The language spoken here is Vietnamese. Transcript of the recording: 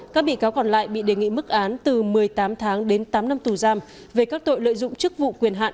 các bị cáo còn lại bị đề nghị mức án từ một mươi tám tháng đến tám năm tù giam về các tội lợi dụng chức vụ quyền hạn